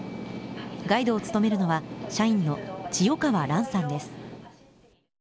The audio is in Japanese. ガイドを務めるのは社員の千代川らんさんです。